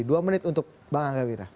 dua menit untuk bang angga wira